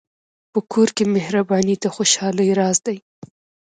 په کور کې مهرباني د خوشحالۍ راز دی.